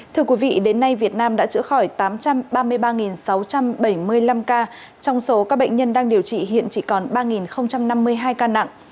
thưa quý vị đến nay việt nam đã chữa khỏi tám trăm ba mươi ba sáu trăm bảy mươi năm ca trong số các bệnh nhân đang điều trị hiện chỉ còn ba năm mươi hai ca nặng